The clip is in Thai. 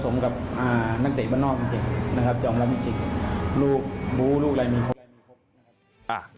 สมกับนักเตะบ้านนอกจริงนะครับยอมรับจริงลูกบูลลูกอะไรมี